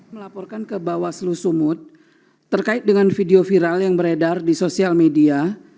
melaporkan ke bawaslu sumut terkait dengan video viral yang beredar di sosial media